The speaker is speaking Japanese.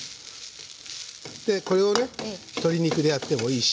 でこれをね鶏肉でやってもいいし。